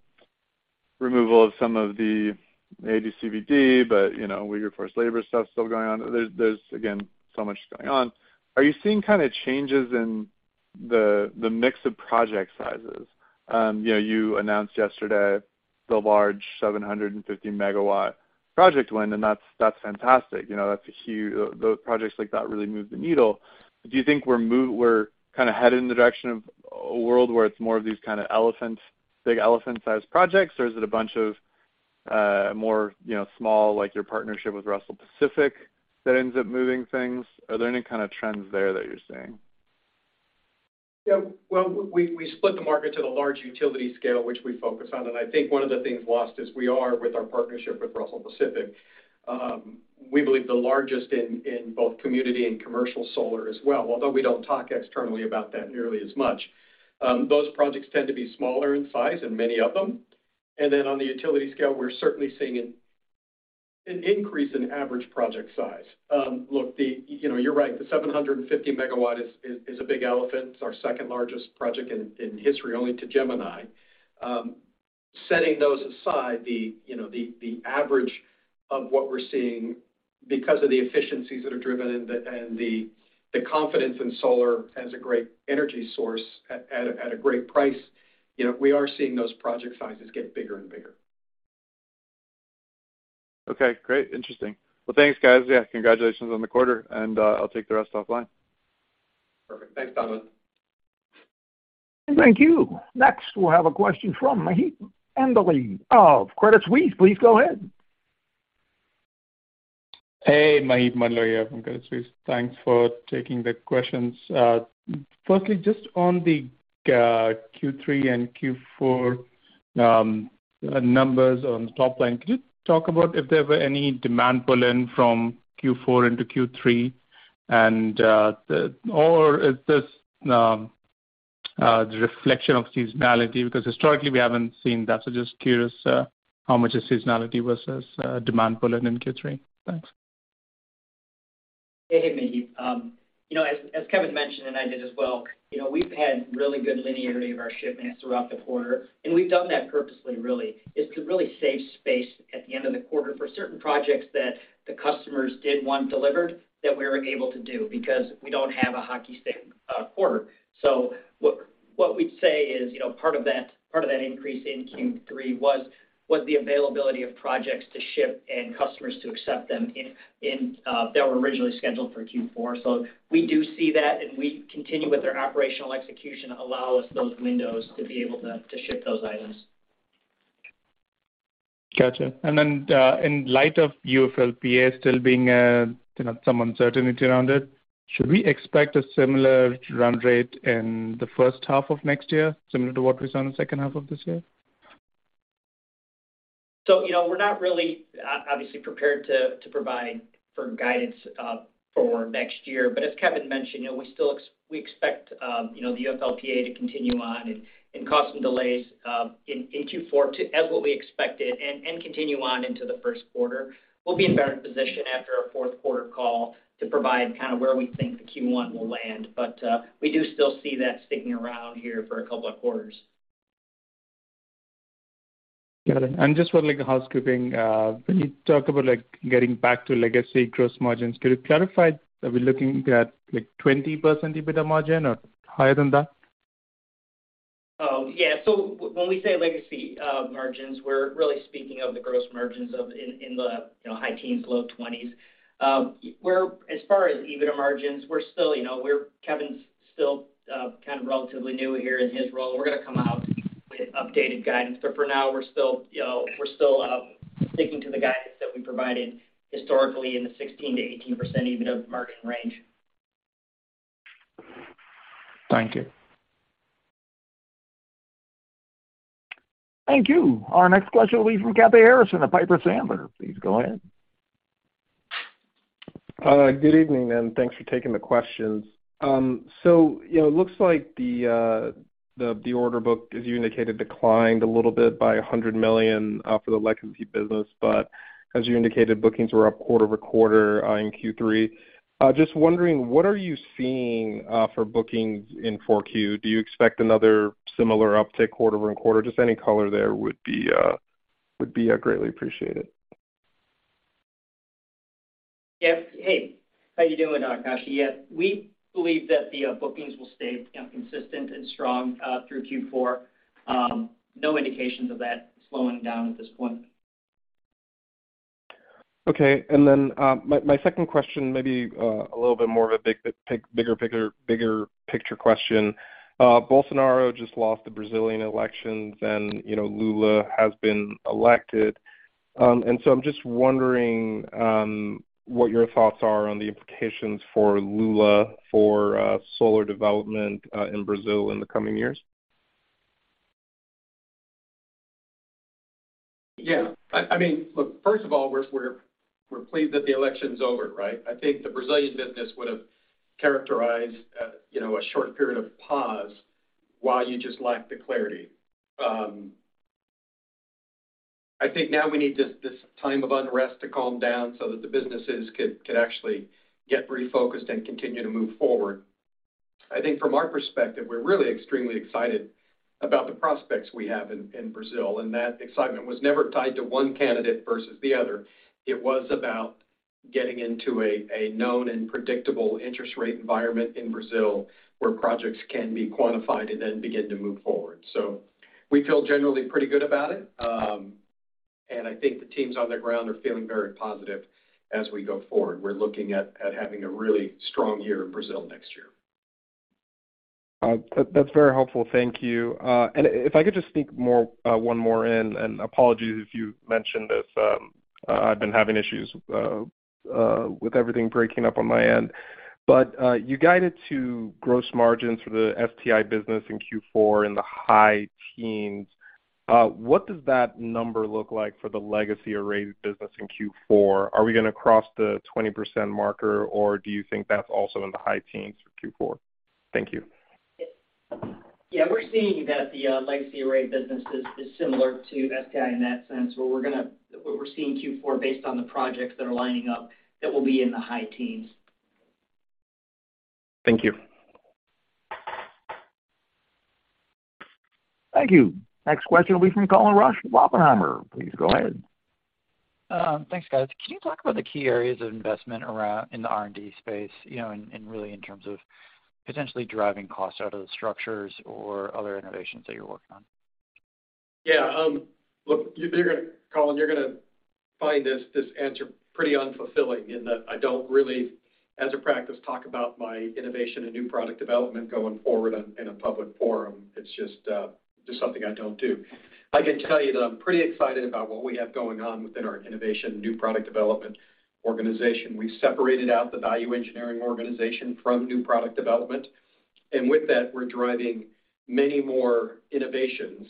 removal of some of the AD/CVD, but with your forced labor stuff still going on, there's again, so much going on. Are you seeing kind of changes in the mix of project sizes? You announced yesterday the large 750-megawatt project win, and that's fantastic. Those projects like that really move the needle. Do you think we're kind of headed in the direction of a world where it's more of these kind of big elephant-sized projects, or is it a bunch of more small, like your partnership with Russell Pacific that ends up moving things? Are there any kind of trends there that you're seeing? Well, we split the market to the large utility scale, which we focus on. I think one of the things lost is we are, with our partnership with Russell Pacific, we believe the largest in both community and commercial solar as well. Although we don't talk externally about that nearly as much. Those projects tend to be smaller in size and many of them. On the utility scale, we're certainly seeing an increase in average project size. Look, you're right. The 750 megawatt is a big elephant. It's our second-largest project in history only to Gemini. Setting those aside, the average of what we're seeing, because of the efficiencies that are driven and the confidence in solar as a great energy source at a great price, we are seeing those project sizes get bigger and bigger. Okay, great. Interesting. Well, thanks guys. Congratulations on the quarter, I'll take the rest offline. Perfect. Thanks, Thomas. Thank you. Next, we'll have a question from Maheep Mandloi of Credit Suisse. Please go ahead. Hey, Maheep Mandloi here from Credit Suisse. Thanks for taking the questions. Firstly, just on the Q3 and Q4 numbers on the top line, could you talk about if there were any demand pull-in from Q4 into Q3, or is this the reflection of seasonality? Historically, we haven't seen that, so just curious how much is seasonality versus demand pull-in in Q3. Thanks. Hey, Maheep. As Kevin mentioned, and I did as well, we've had really good linearity of our shipments throughout the quarter, and we've done that purposely, really. It's to really save space at the end of the quarter for certain projects that the customers did want delivered that we were able to do because we don't have a hockey stick quarter. What we'd say is part of that increase in Q3 was the availability of projects to ship and customers to accept them that were originally scheduled for Q4. We do see that, and we continue with our operational execution allow us those windows to be able to ship those items. Got you. In light of UFLPA still being some uncertainty around it, should we expect a similar run rate in the first half of next year, similar to what we saw in the second half of this year? We're not really obviously prepared to provide for guidance for next year. As Kevin mentioned, we expect the UFLPA to continue on and cause some delays in Q4 as what we expected and continue on into the first quarter. We'll be in a better position after our fourth quarter call to provide where we think the Q1 will land. We do still see that sticking around here for a couple of quarters. Got it. Just for housekeeping. When you talk about getting back to legacy gross margins, could you clarify, are we looking at 20% EBITDA margin or higher than that? Oh, yeah. When we say legacy margins, we're really speaking of the gross margins in the high teens, low 20s. As far as EBITDA margins, Kevin's still kind of relatively new here in his role. We're going to come out with updated guidance, but for now, we're still sticking to the guidance that we provided historically in the 16%-18% EBITDA margin range. Thank you. Thank you. Our next question will be from Kashy Harrison of Piper Sandler. Please go ahead. Good evening, and thanks for taking the questions. It looks like the order book, as you indicated, declined a little bit by $100 million for the legacy business. As you indicated, bookings were up quarter-over-quarter in Q3. Just wondering, what are you seeing for bookings in 4Q? Do you expect another similar uptick quarter-over-quarter? Just any color there would be greatly appreciated. Hey, how you doing, Aakash? We believe that the bookings will stay consistent and strong through Q4. No indications of that slowing down at this point. Okay. My second question may be a little bit more of a bigger picture question. Bolsonaro just lost the Brazilian elections, and Lula has been elected. I'm just wondering what your thoughts are on the implications for Lula for solar development in Brazil in the coming years. Look, first of all, we're pleased that the election's over, right? I think the Brazilian business would have characterized a short period of pause while you just lack the clarity. I think now we need this time of unrest to calm down so that the businesses could actually get refocused and continue to move forward. I think from our perspective, we're really extremely excited about the prospects we have in Brazil, and that excitement was never tied to one candidate versus the other. It was about getting into a known and predictable interest rate environment in Brazil where projects can be quantified and then begin to move forward. We feel generally pretty good about it, and I think the teams on the ground are feeling very positive as we go forward. We're looking at having a really strong year in Brazil next year. That's very helpful. Thank you. If I could just sneak one more in, apologies if you mentioned this. I've been having issues with everything breaking up on my end. You guided to gross margins for the STI business in Q4 in the high teens. What does that number look like for the legacy Array business in Q4? Are we going to cross the 20% marker, or do you think that's also in the high teens for Q4? Thank you. Yeah. We're seeing that the legacy Array business is similar to STI in that sense, where we're seeing Q4 based on the projects that are lining up, that we'll be in the high teens. Thank you. Thank you. Next question will be from Colin Rusch, Oppenheimer. Please go ahead. Thanks, guys. Can you talk about the key areas of investment in the R&D space, and really in terms of potentially driving costs out of the structures or other innovations that you're working on? Yeah. Look, Colin, you're going to find this answer pretty unfulfilling in that I don't really, as a practice, talk about my innovation and new product development going forward in a public forum. It's just something I don't do. I can tell you that I'm pretty excited about what we have going on within our innovation new product development organization. We've separated out the value engineering organization from new product development. With that, we're driving many more innovations.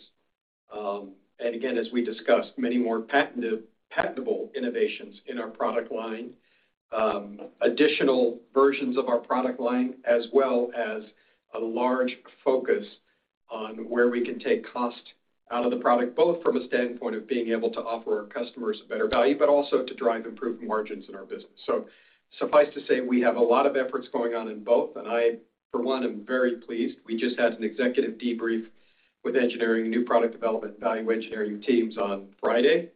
Again, as we discussed, many more patentable innovations in our product line, additional versions of our product line, as well as a large focus on where we can take cost out of the product, both from a standpoint of being able to offer our customers better value, but also to drive improved margins in our business. Suffice to say, we have a lot of efforts going on in both, and I, for one, am very pleased. We just had an executive debrief with engineering, new product development, value engineering teams on Friday,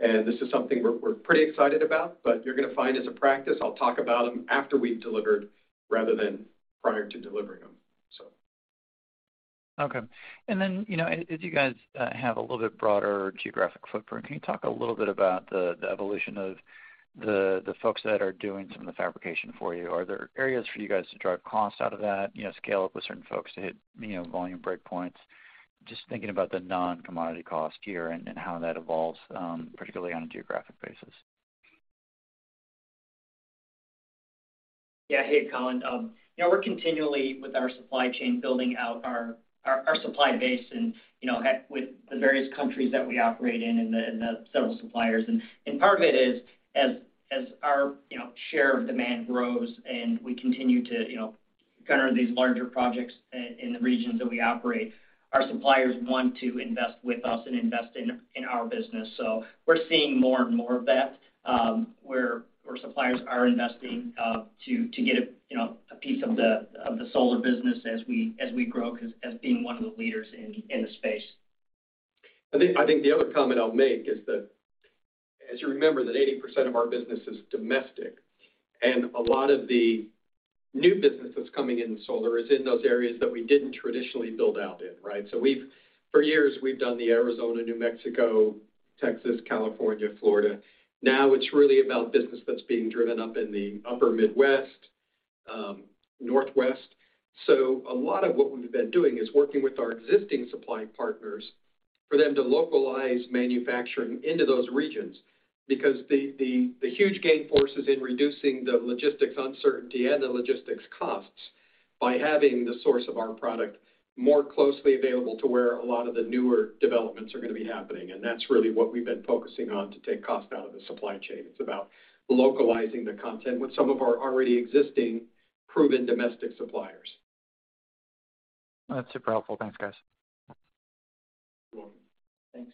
and this is something we're pretty excited about, but you're going to find, as a practice, I'll talk about them after we've delivered rather than prior to delivering them. Okay. As you guys have a little bit broader geographic footprint, can you talk a little bit about the evolution of the folks that are doing some of the fabrication for you? Are there areas for you guys to drive cost out of that, scale up with certain folks to hit volume break points? Just thinking about the non-commodity cost here and how that evolves, particularly on a geographic basis. Yeah. Hey, Colin. We're continually, with our supply chain, building out our supply base with the various countries that we operate in and the several suppliers. Part of it is as our share of demand grows and we continue to garner these larger projects in the regions that we operate, our suppliers want to invest with us and invest in our business. We're seeing more and more of that, where suppliers are investing to get a piece of the solar business as we grow as being one of the leaders in the space. I think the other comment I'll make is that, as you remember, that 80% of our business is domestic, and a lot of the new business that's coming in solar is in those areas that we didn't traditionally build out in, right? For years, we've done the Arizona, New Mexico, Texas, California, Florida. Now it's really about business that's being driven up in the upper Midwest, Northwest. A lot of what we've been doing is working with our existing supply partners for them to localize manufacturing into those regions, because the huge gain force is in reducing the logistics uncertainty and the logistics costs by having the source of our product more closely available to where a lot of the newer developments are going to be happening. That's really what we've been focusing on to take cost out of the supply chain. It's about localizing the content with some of our already existing proven domestic suppliers. That's super helpful. Thanks, guys. You're welcome. Thanks.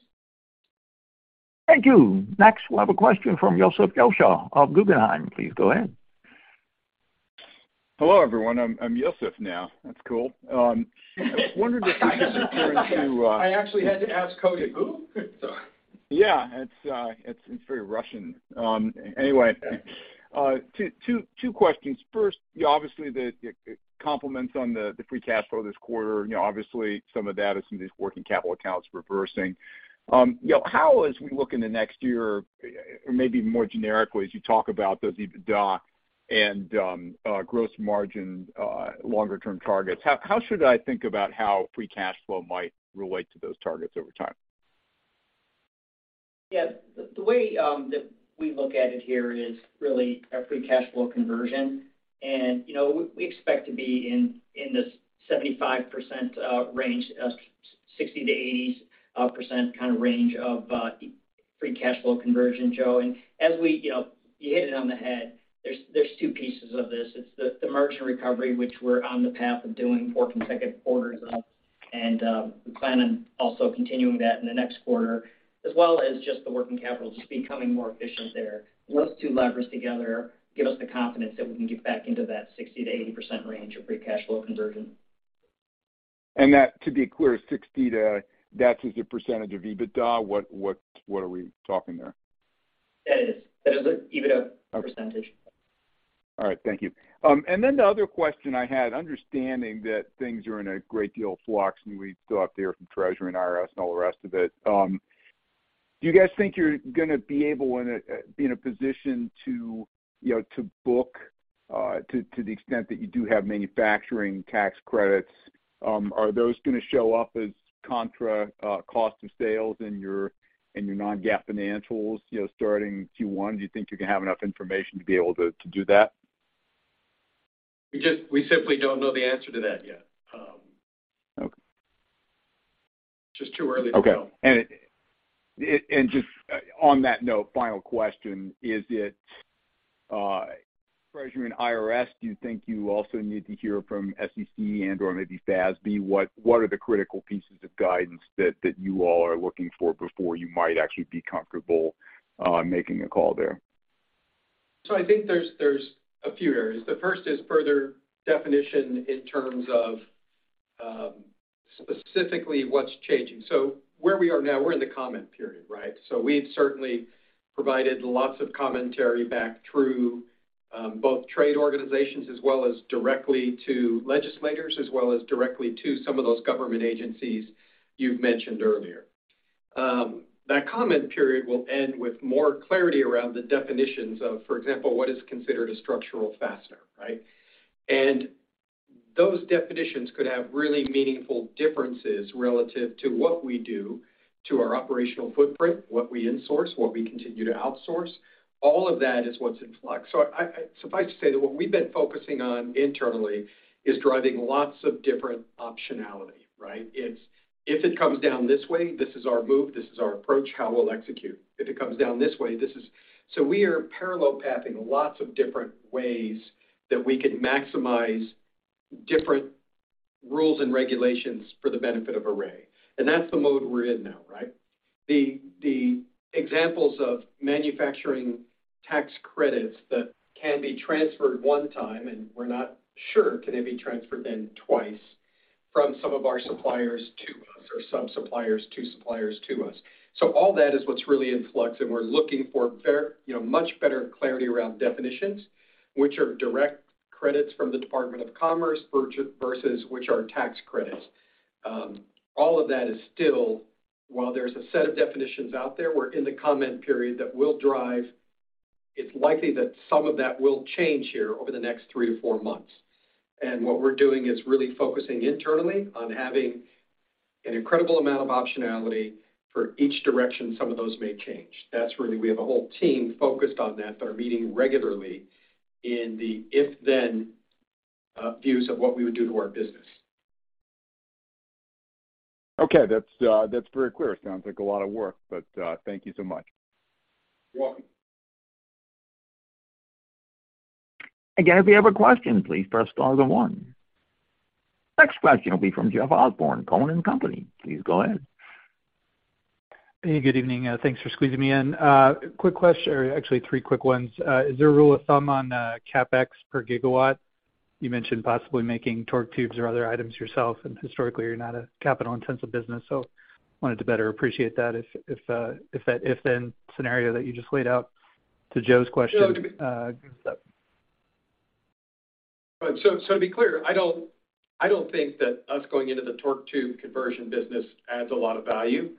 Thank you. Next, we'll have a question from Joseph Osha of Guggenheim. Please go ahead. Hello, everyone. I'm Joseph now. That's cool. I actually had to ask Cody, "Who?" Sorry. Yeah. It is very Russian. Anyway, two questions. First, obviously, the compliments on the free cash flow this quarter. Obviously, some of that is some of these working capital accounts reversing. How, as we look in the next year, or maybe more generically, as you talk about those EBITDA and gross margin longer-term targets, how should I think about how free cash flow might relate to those targets over time? Yeah. The way that we look at it here is really our free cash flow conversion. We expect to be in this 75% range, 60%-80% kind of range of free cash flow conversion, Joe. You hit it on the head. There are two pieces of this. It is the margin recovery, which we are on the path of doing four consecutive quarters of, and we plan on also continuing that in the next quarter, as well as just the working capital just becoming more efficient there. Those two levers together give us the confidence that we can get back into that 60%-80% range of free cash flow conversion. That, to be clear, that is the percentage of EBITDA? What are we talking there? That is. That is an EBITDA percentage. All right, thank you. The other question I had, understanding that things are in a great deal of flux, we still have to hear from Treasury and IRS and all the rest of it, do you guys think you're going to be in a position to book to the extent that you do have manufacturing tax credits? Are those going to show up as contra cost of sales in your non-GAAP financials starting Q1? Do you think you can have enough information to be able to do that? We simply don't know the answer to that yet. Okay. It's just too early to tell. Okay. Just on that note, final question, is it Treasury and IRS? Do you think you also need to hear from SEC and/or maybe FASB? What are the critical pieces of guidance that you all are looking for before you might actually be comfortable making a call there? I think there's a few areas. The first is further definition in terms of specifically what's changing. Where we are now, we're in the comment period, right? We've certainly provided lots of commentary back through both trade organizations, as well as directly to legislators, as well as directly to some of those government agencies you've mentioned earlier. That comment period will end with more clarity around the definitions of, for example, what is considered a structural fastener, right? Those definitions could have really meaningful differences relative to what we do to our operational footprint, what we insource, what we continue to outsource. All of that is what's in flux. Suffice to say that what we've been focusing on internally is driving lots of different optionality, right? It's if it comes down this way, this is our move, this is our approach, how we'll execute. If it comes down this way, we are parallel pathing lots of different ways that we could maximize different rules and regulations for the benefit of Array. That's the mode we're in now, right? The examples of manufacturing tax credits that can be transferred one time, and we're not sure, can they be transferred then twice from some of our suppliers to us, or some suppliers to suppliers to us. All that is what's really in flux and we're looking for much better clarity around definitions, which are direct credits from the Department of Commerce versus which are tax credits. All of that is still, while there's a set of definitions out there, we're in the comment period that will drive, it's likely that some of that will change here over the next three to four months. What we're doing is really focusing internally on having an incredible amount of optionality for each direction some of those may change. We have a whole team focused on that are meeting regularly in the if-then views of what we would do to our business. Okay. That's very clear. Sounds like a lot of work, thank you so much. You're welcome. Again, if you have a question, please press star then one. Next question will be from Jeff Osborne, Cowen and Company. Please go ahead. Hey, good evening. Thanks for squeezing me in. Quick question, or actually three quick ones. Is there a rule of thumb on CapEx per gigawatt? You mentioned possibly making torque tubes or other items yourself, and historically, you're not a capital-intensive business, so wanted to better appreciate that if that if-then scenario that you just laid out to Joe's question. To be clear, I don't think that us going into the torque tube conversion business adds a lot of value.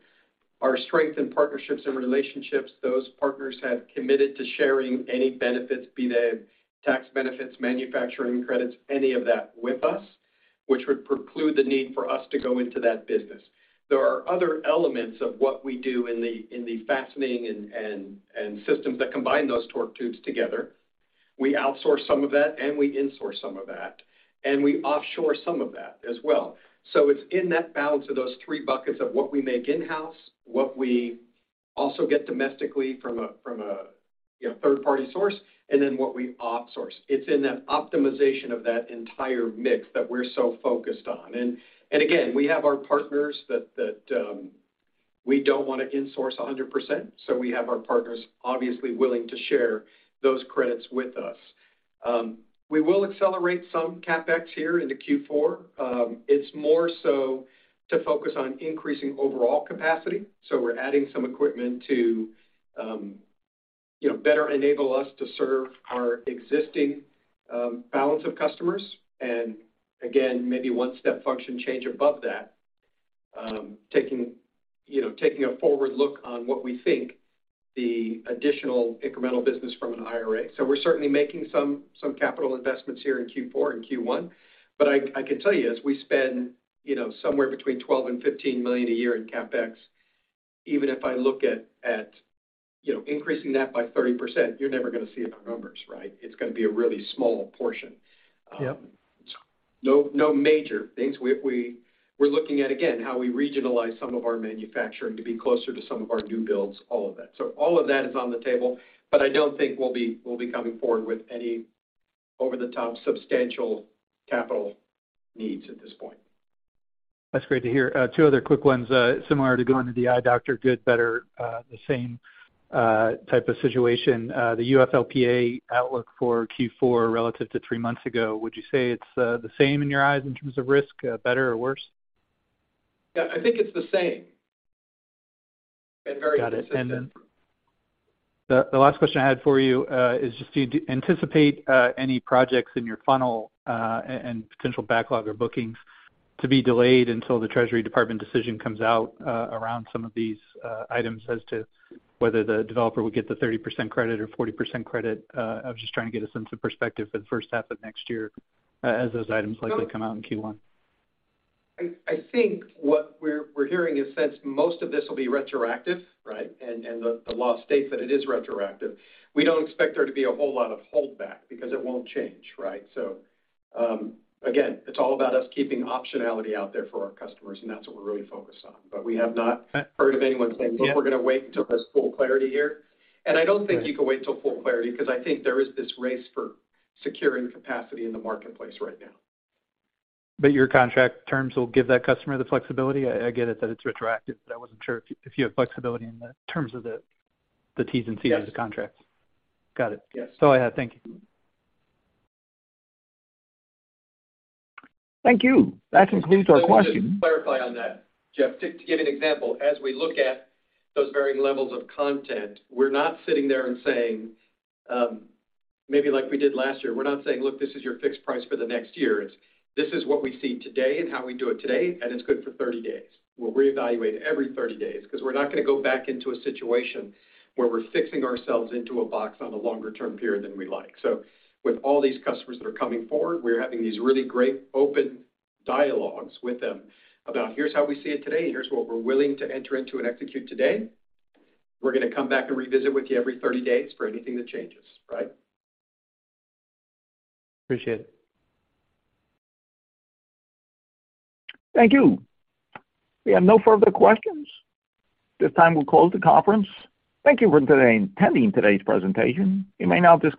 Our strength in partnerships and relationships, those partners have committed to sharing any benefits, be they tax benefits, manufacturing credits, any of that with us, which would preclude the need for us to go into that business. There are other elements of what we do in the fastening and systems that combine those torque tubes together. We outsource some of that and we insource some of that, and we offshore some of that as well. It's in that balance of those three buckets of what we make in-house, what we also get domestically from a third-party source, and then what we outsource. It's in that optimization of that entire mix that we're so focused on. We have our partners that we don't want to insource 100%, we have our partners obviously willing to share those credits with us. We will accelerate some CapEx here into Q4. It's more so to focus on increasing overall capacity. We're adding some equipment to better enable us to serve our existing balance of customers. Again, maybe one step function change above that, taking a forward look on what we think the additional incremental business from an IRA. We're certainly making some capital investments here in Q4 and Q1. I can tell you, as we spend somewhere between $12 million and $15 million a year in CapEx, even if I look at increasing that by 30%, you're never going to see it in our numbers, right? It's going to be a really small portion. Yep. No major things. We're looking at, again, how we regionalize some of our manufacturing to be closer to some of our new builds, all of that. All of that is on the table, I don't think we'll be coming forward with any over-the-top substantial capital needs at this point. That's great to hear. Two other quick ones, similar to going to the eye doctor, good, better, the same type of situation. The UFLPA outlook for Q4 relative to three months ago, would you say it's the same in your eyes in terms of risk, better or worse? Yeah, I think it's the same and very consistent. Got it. Then the last question I had for you is just do you anticipate any projects in your funnel and potential backlog or bookings to be delayed until the Treasury Department decision comes out around some of these items as to whether the developer would get the 30% credit or 40% credit? I was just trying to get a sense of perspective for the first half of next year as those items likely come out in Q1. I think what we're hearing is since most of this will be retroactive, right, and the law states that it is retroactive, we don't expect there to be a whole lot of holdback because it won't change, right? Again, it's all about us keeping optionality out there for our customers, and that's what we're really focused on. We have not heard of anyone saying, "Look, we're going to wait until there's full clarity here." I don't think you can wait till full clarity because I think there is this race for securing capacity in the marketplace right now. Your contract terms will give that customer the flexibility? I get it that it's retroactive, but I wasn't sure if you have flexibility in the terms of the Ts and Cs of the contracts. Yes. Got it. Yes. That's all I had. Thank you. Thank you. That concludes our questions. Let me just clarify on that, Jeff. To give you an example, as we look at those varying levels of content, we're not sitting there and saying, maybe like we did last year, we're not saying, "Look, this is your fixed price for the next year." It's, "This is what we see today and how we do it today, and it's good for 30 days." We'll reevaluate every 30 days because we're not going to go back into a situation where we're fixing ourselves into a box on a longer term period than we like. With all these customers that are coming forward, we're having these really great open dialogues with them about here's how we see it today, and here's what we're willing to enter into and execute today. We're going to come back and revisit with you every 30 days for anything that changes, right? Appreciate it. Thank you. We have no further questions. At this time, we'll close the conference. Thank you for attending today's presentation. You may now disconnect.